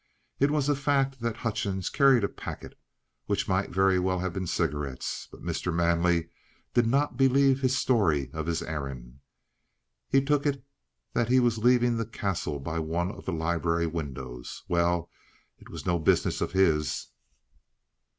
It was a fact that Hutchings carried a packet, which might very well have been cigarettes; but Mr. Manley did not believe his story of his errand. He took it that he was leaving the Castle by one of the library windows. Well, it was no business of his.